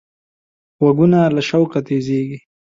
غوږونه له شوقه تیزېږي